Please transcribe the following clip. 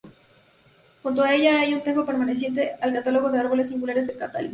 Junto a ella hay un tejo perteneciente al catálogo de árboles singulares de Cantabria.